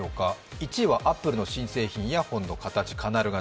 １位はアップルの新製品、イヤホンの形、カナル型。